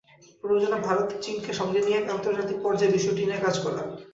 প্রয়োজনে ভারত চীনকে সঙ্গে নিয়ে আন্তর্জাতিক পর্যায়ে বিষয়টি নিয়ে কাজ করা।